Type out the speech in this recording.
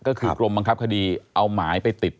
ก็คือกรมบังคับคดีเอาหมายไปติด